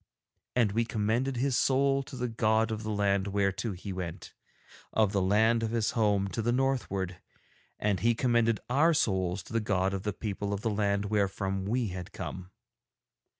And we commended his soul to the god of the land whereto he went, of the land of his home to the northward, and he commended our souls to the God of the people of the land wherefrom we had come.